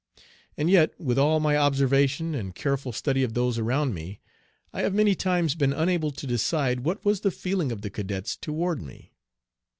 And yet with all my observation and careful study of those around me, I have many times been unable to decide what was the feeling of the cadets toward me.